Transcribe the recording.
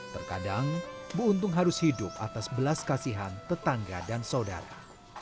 terkadang bu untung harus hidup atas belas kasihan tetangga dan saudara